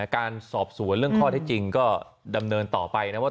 การสอบสวนเรื่องข้อเท็จจริงก็ดำเนินต่อไปนะว่า